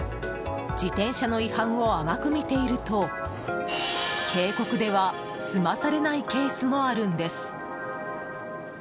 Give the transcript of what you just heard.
自転車の違反を甘く見ていると警告では済まされないケースもあるんです。